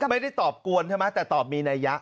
ไม่ได้ตอบกวนใช่ไหมแต่ตอบมีนัยยะ